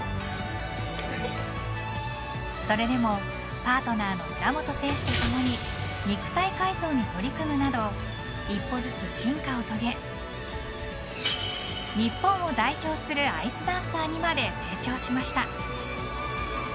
それでもパートナーの村元選手とともに肉体改造に取り組むなど一歩ずつ進化を遂げ日本を代表するアイスダンサーにまで成長しました。